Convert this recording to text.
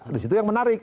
di situ yang menarik